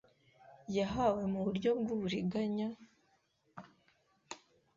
yahawe mu buryo bw’uburiganya